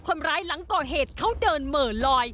คนร้ายหลังก่อเหตุเขาเดินเหม่อลอย